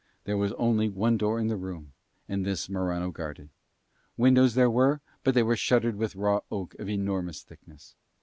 There was only one door in the room, and this Morano guarded. Windows there were, but they were shuttered with raw oak of enormous thickness.